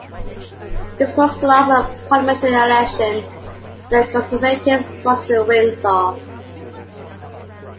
This was the last Parliamentary election the Conservatives lost in Windsor.